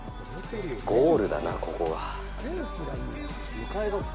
ゴールだな、ここは。